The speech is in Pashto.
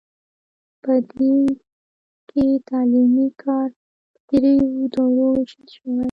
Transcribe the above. په دې کې تعلیمي کار په دریو دورو ویشل شوی.